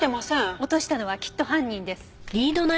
落としたのはきっと犯人です。